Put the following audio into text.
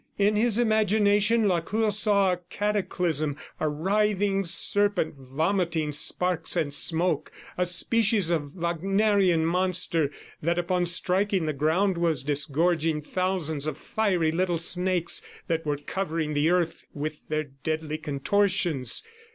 In his imagination, Lacour saw the cataclysm a writhing serpent, vomiting sparks and smoke, a species of Wagnerian monster that upon striking the ground was disgorging thousands of fiery little snakes, that were covering the earth with their deadly contortions.